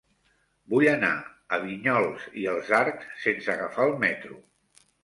Vull anar a Vinyols i els Arcs sense agafar el metro.